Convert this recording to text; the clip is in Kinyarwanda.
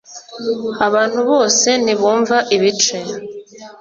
abantu bose ntibumva ibice